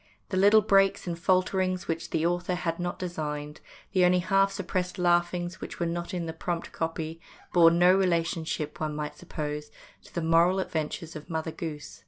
The little breaks and falterings which the author had not designed, the only half suppressed laughings which were not in the prompt copy, bore no relationship, one might suppose, to the moral adventures of Mother Goose.